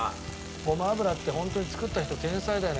ごま油ってホントに作った人天才だよね。